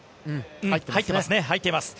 入ってますね。